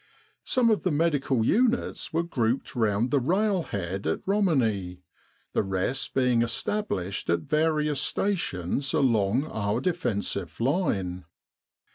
Some of the medical units were grouped round the railhead at Romani, the rest being established at various stations along our defensive line.